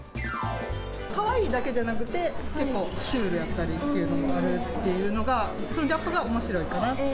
かわいいだけじゃなくて、結構シュールだったりっていうのがあるっていうのが、そのギャップがおもしろいかなと。